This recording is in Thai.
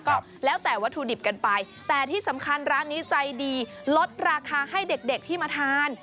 ก็แล้วแต่วัตถุดิบกันไปแต่ที่สำคัญร้านนี้ใจดีลดราคาให้เด็กที่มาทาน